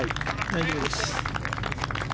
大丈夫です。